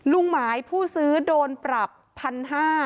ลุงหมายผู้ซื้อโดนปรับ๑๕๐๐บาท